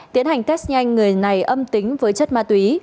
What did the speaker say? tiến hành test nhanh người này âm tính với chất ma túy